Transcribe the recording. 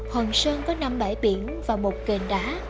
hoàng sơn có năm bãi biển và một kền đá